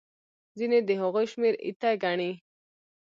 ځینې د هغوی شمېر ایته ګڼي.